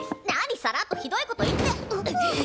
なにさらっとひどいこと言って。